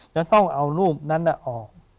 จะต้องเอารูปนั้นออก